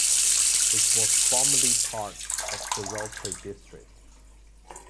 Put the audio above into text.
It was formerly part of Soroti District.